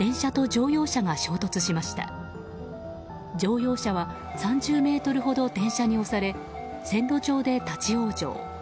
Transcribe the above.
乗用車は３０ｍほど電車に押され線路上で立ち往生。